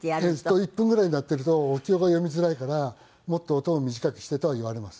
１分ぐらい鳴っているとお経が読みづらいからもっと音を短くしてとは言われます。